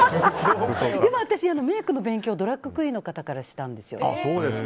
でも私、メイクの勉強ドラァグクイーンの方からしたんですよね。